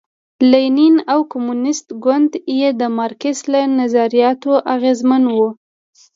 لینین او کمونېست ګوند یې د مارکس له نظریاتو اغېزمن و.